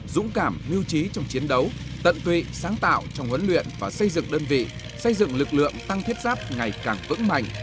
dũng cảm mưu trí trong chiến đấu tận tụy sáng tạo trong huấn luyện và xây dựng đơn vị xây dựng lực lượng tăng thiết giáp ngày càng vững mạnh